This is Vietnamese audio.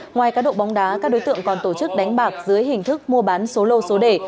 ngoài cá độ bóng đá các đối tượng còn tổ chức đánh bạc dưới hình thức mua bán số lô số đề